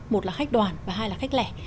một là khách đoàn và hai là khách lẻ